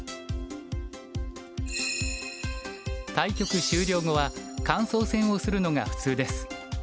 対局終了後は感想戦をするのが普通です。